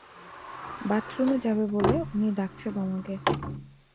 বাথরুমে যাবে বলে উনি ডাকছে তোমাকে।